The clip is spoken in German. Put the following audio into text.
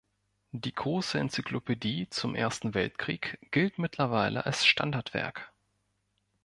Die große Enzyklopädie zum Ersten Weltkrieg gilt mittlerweile als Standardwerk.